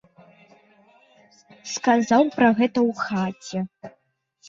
Сказаў пра гэта ў хаце.